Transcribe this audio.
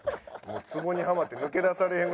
ツボにはまって抜け出されへんぐらい。